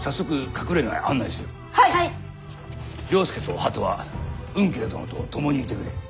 了助と鳩は吽慶殿と共にいてくれ。